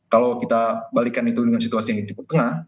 kalau kita balikan itu dengan situasi yang cukup tengah